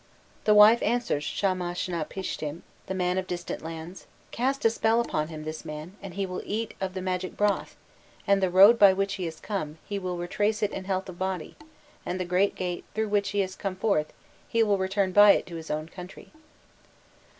The wife answers Shamashnapishtim, the man of distant lands: 'Cast a spell upon him, this man, and he will eat of the magic broth; and the road by which he has come, he will retrace it in health of body; and the great gate through which he has come forth, he will return by it to his country.